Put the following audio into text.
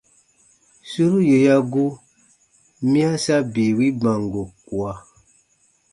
Suru yè ya gu, miya sa bii wi bango kua.